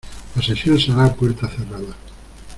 La sesión se hará a puerta cerrada.